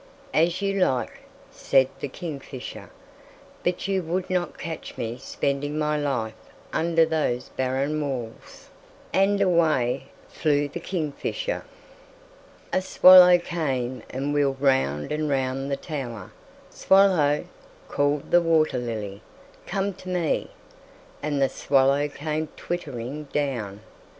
"As you like," said the kingfisher, "but you would not catch me spending my life under those barren walls," and away flew the kingfisher. A swallow came and wheeled round and round the tower. "Swallow," called the water lily, "come to me." And the swallow came twittering down.